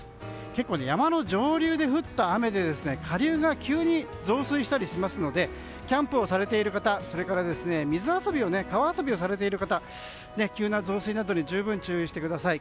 結構、山の上流で降った雨で下流が急に増水したりしますのでキャンプをされている方それから川などで水遊びをされている方急な増水などに十分注意してください。